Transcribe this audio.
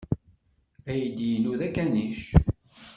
Aydi-inu d akanic.